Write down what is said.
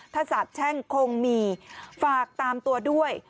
ถ้าสาบแช่งคงมีฝากตามตัวด้วย